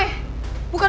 gak ada apa apa